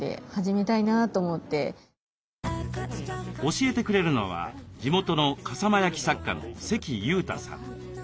教えてくれるのは地元の笠間焼作家の関雄太さん。